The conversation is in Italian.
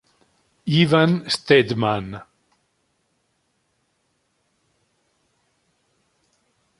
Ivan Stedman